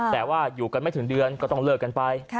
แต่ว่าอยู่กันไม่ถึงเดือนก็ต้องเลิกกันไป